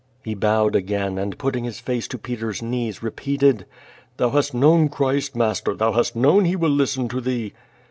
'^ He bowed again, and put his face to Peter's knees repeated: "Thou hast known Christ, master, thou hast known He will listen to thee.